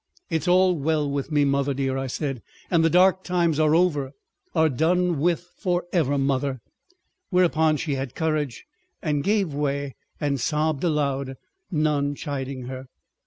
"It's all well with me, mother dear," I said, "and the dark times are over—are done with for ever, mother." Whereupon she had courage and gave way and sobbed aloud, none chiding her.